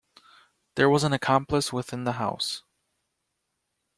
There was an accomplice within the house.